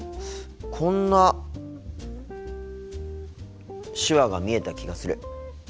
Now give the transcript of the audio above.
こんな手話が見えた気がする。